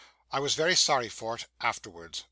I was very sorry for it, afterwards.